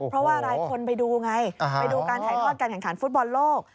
เพราะว่าอะไรคนไปดูไงไปดูการถ่ายทอดการแข่งขันฟุตบอลโลก